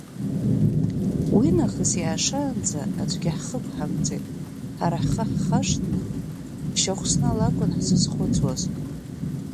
Уи нахыс иаашаанӡа аӡәгьы ҳхы ықәҳамҵеит, ҳара ҳхы ҳхашҭны, Шьахәсна лакәын ҳзызхәыцуаз.